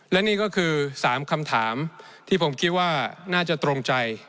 และนี่ก็คือ๓คำถามที่ผมคิดว่าน่าจะตรงใจ